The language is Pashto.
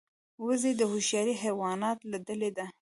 وزې د هوښیار حیواناتو له ډلې ده